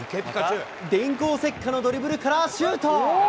電光石火のドリブルからシュート。